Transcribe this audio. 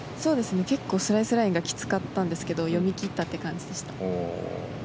結構スライスラインがつらかったんですが読み切ったという感じでした。